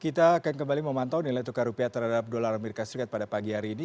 kita akan kembali memantau nilai tukar rupiah terhadap dolar as pada pagi hari ini